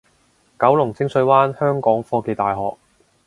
九龍清水灣香港科技大學